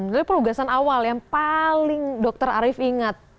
jadi perugasan awal yang paling dokter arief ingat